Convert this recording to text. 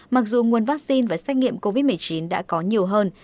mặc dù nguồn vaccine và xét nghiệm covid một mươi chín đã có nhiều hơn